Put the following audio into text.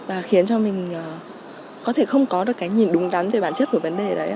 và khiến cho mình có thể không có được cái nhìn đúng đắn về bản chất của vấn đề đấy ạ